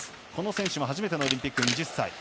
この選手も初めてのオリンピック２０歳。